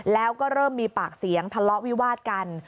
แล้วก็เริ่มมีปากเสียงทะเลาะวิวาดกัน